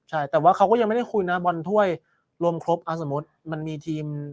ใช่แต่ว่าเขาก็ยังไม่ได้คุยนะบอลถ้วยรวมครบเอาสมมุติมันมีทีม